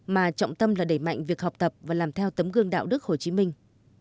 mà trọng tâm là đẩy mạnh việc học tập và làm theo tấm gương đạo đức hồ chí minh